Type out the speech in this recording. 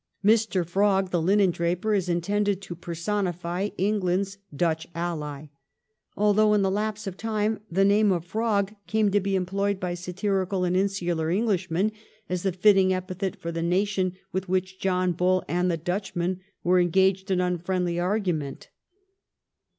Mr. Frog, the linen draper, is intended to personify England's Dutch ally, although, in the lapse of time, the name of Frog came to be employed by satirical and insular Englishmen as the fitting epithet for the nation with which John Bull and the Dutchman were engaged in unfriendly argument.